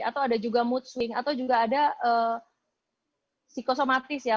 atau ada juga mood swing atau juga ada psikosomatis ya